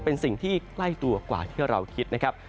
เป็นสิ่งที่ใกล้ตัวกว่าที่เราคิดนะครับ